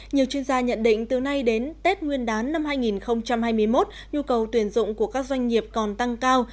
nhiều chuyên gia nhận định từ nay đến tết nguyên đán năm hai nghìn hai mươi một nhu cầu tuyển dụng của các doanh nghiệp còn tăng cao